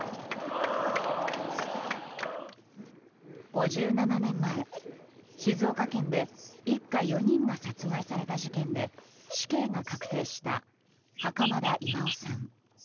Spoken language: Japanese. ５７年前、静岡県で一家４人が殺害された事件で死刑が確定した、袴田巌さん。